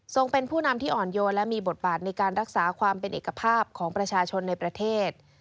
เป็นผู้นำที่อ่อนโยนและมีบทบาทในการรักษาความเป็นเอกภาพของประชาชนในประเทศ